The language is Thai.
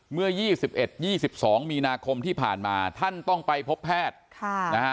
เมื่อ๒๑๒๒มีนาคมที่ผ่านมาท่านต้องไปพบแพทย์นะฮะ